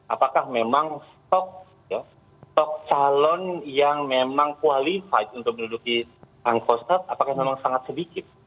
apakah memang stok salon yang memang qualified untuk berduduki pak kostrat apakah memang sangat sedikit